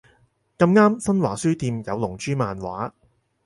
咁啱新華書店有龍珠漫畫